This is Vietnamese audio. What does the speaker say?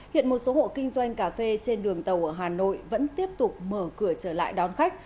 hiện một số hộ kinh doanh cà phê trên đường tàu ở hà nội vẫn tiếp tục mở cửa trở lại đón khách